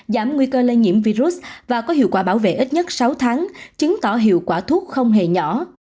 giảm nguy cơ lây nhiễm virus và có hiệu quả bảo vệ ít nhất sáu tháng chứng tỏ hiệu quả thuốc không hề nhỏ